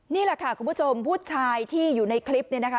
นี่แหละค่ะคุณผู้ชมผู้ชายที่อยู่ในคลิปนี้นะคะ